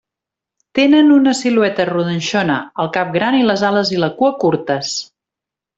Tenen una silueta rodanxona, el cap gran i les ales i la cua curtes.